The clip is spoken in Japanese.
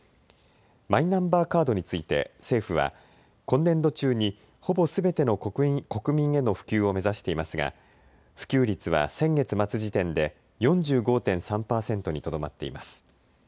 マイナンバーカードについて政府は今年度中にほぼすべての国民への普及を目指していますが普及率は先月末時点で４５．３％にとどまっています。